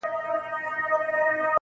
o لاس يې د ټولو کايناتو آزاد، مړ دي سم.